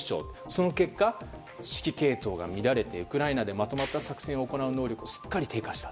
その結果、指揮系統が乱れてウクライナでまとまった作戦を行う能力がすっかり低下した。